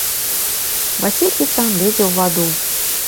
Васіль і сам лезе ў ваду.